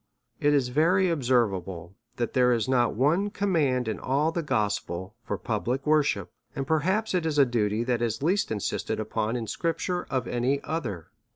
It is very observable, that there is not one command in all the gospel for public worship : and perhaps it is .a duty that is least insisted upon in scripture of any other.